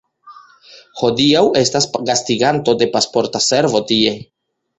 Hodiaŭ estas gastiganto de Pasporta Servo tie.